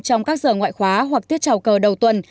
trong các giờ ngoại khóa hoặc tiết trào cờ đầu tuần